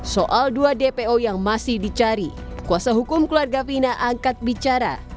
soal dua dpo yang masih dicari kuasa hukum keluarga fina angkat bicara